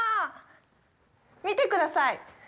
見てください！